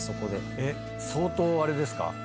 相当あれですか？